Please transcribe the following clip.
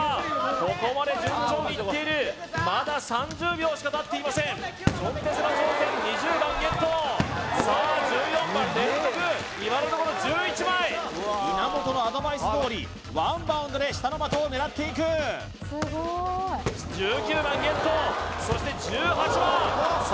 ここまで順調にいっているまだ３０秒しかたっていませんチョンテセの挑戦２０番ゲットさあ１４番連続今のところ１１枚稲本のアドバイスどおりワンバウンドで下の的を狙っていく１９番ゲットそして１８番さあチョンテセ